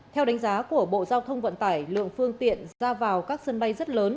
theo đánh giá của bộ giao thông vận tải lượng phương tiện ra vào các sân bay rất lớn